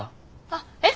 あっえっ？